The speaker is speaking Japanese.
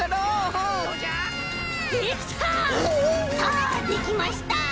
さあできました！